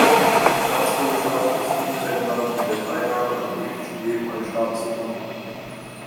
Staatsbürgerschaft ist untrennbar mit der Teilnahme am politischen Leben eines Staates verbunden.